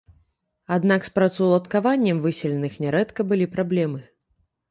Аднак з працаўладкаваннем выселеных нярэдка былі праблемы.